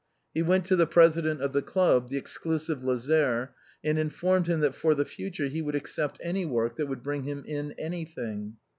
He went to the president of the club, the exclusive Lazare, and informed him that for the future he would accept any work that would bring him in anything.